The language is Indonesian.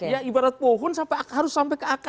ya ibarat pohon harus sampai ke akar